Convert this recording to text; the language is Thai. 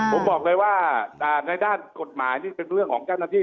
ผมบอกเลยว่าในด้านกฎหมายนี่เป็นเรื่องของเจ้าหน้าที่